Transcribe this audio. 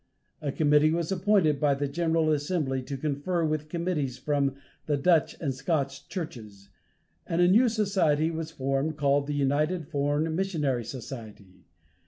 A committee was appointed by the General Assembly to confer with committees from the Dutch and Scotch churches, and a new society was formed, called the United Foreign Missionary Society.